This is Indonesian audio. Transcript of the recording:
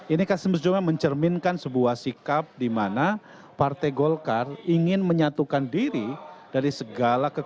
ini kasus jombang mencerminkan sebuah sikap di mana partai golkar ingin menyatukan diri dari segala kekuatan